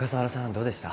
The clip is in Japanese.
どうでした？